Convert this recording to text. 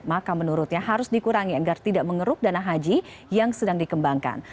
maka menurutnya harus dikurangi agar tidak mengeruk dana haji yang sedang dikembangkan